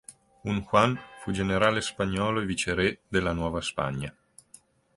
Un Juan fu un generale spagnolo e viceré della Nuova Spagna.